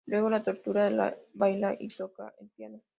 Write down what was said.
Luego lo "tortura", le baila y toca el piano.